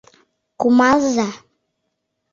— Кумалза!